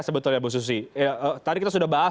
sebetulnya bu susi tadi kita sudah bahas